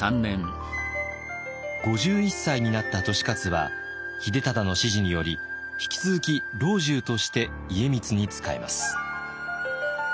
５１歳になった利勝は秀忠の指示により引き続き老中として家光に仕えます。